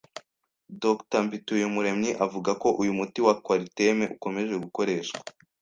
Dr Mbituyumuremyi avuga ko uyu muti wa Coartem ukomeje gukoreshwa